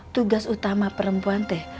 tugas utama perempuan teh